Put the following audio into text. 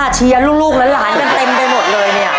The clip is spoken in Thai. เชียร์ลูกหลานกันเต็มไปหมดเลยเนี่ย